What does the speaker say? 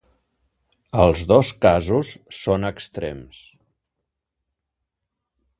Els dos casos són extrems.